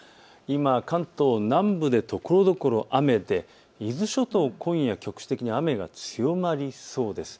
今、関東南部でところどころ雨で伊豆諸島は今夜、局地的に雨が強まりそうです。